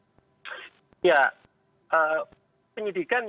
ya penyidikan yang dilakukan oleh kpk selalu bagaimana berupaya selain fokus kepada